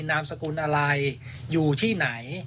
นามสกุลอะไรอยู่ที่ไหน